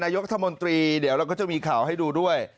นายกรัฐมนตรีเดี๋ยวเราก็จะมีข่าวให้ดูด้วย